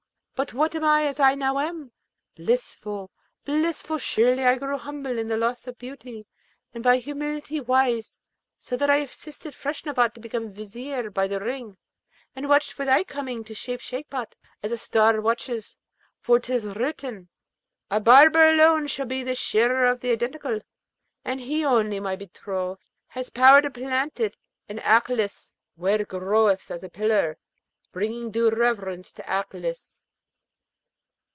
But what am I as I now am? Blissful! blissful! Surely I grew humble with the loss of beauty, and by humility wise, so that I assisted Feshnavat to become Vizier by the Ring, and watched for thy coming to shave Shagpat, as a star watcheth; for 'tis written, 'A barber alone shall be shearer of the Identical'; and he only, my betrothed, hath power to plant it in Aklis, where it groweth as a pillar, bringing due reverence to Aklis.